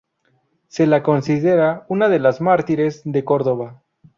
Se la considera una de los Mártires de Córdoba.